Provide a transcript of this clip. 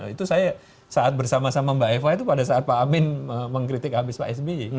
itu saya saat bersama sama mbak eva itu pada saat pak amin mengkritik habis pak sby